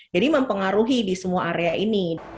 jadi mempengaruhi di semua area ini